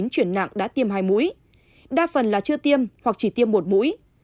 chuyển nặng đã tiêm hai mũi đa phần là chưa tiêm hoặc chỉ tiêm một mũi